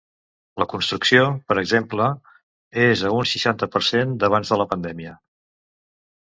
La construcció, per exemple, és a un seixanta per cent d’abans de la pandèmia.